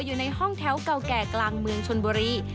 อยู่ในห้องแถวเก่าแก่กลางเมืองชนบุรี